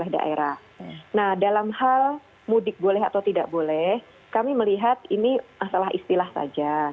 nah dalam hal mudik boleh atau tidak boleh kami melihat ini masalah istilah saja